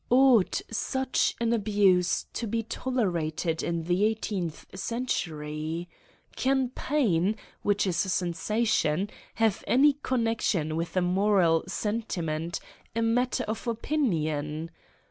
Ought such an abuse to be tolerated in the eighteenth century ? Can pain, which is a sensation, have any connec tion with a moral sentiment, a matter of opinion